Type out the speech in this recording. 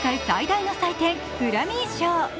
最大の祭典、グラミー賞。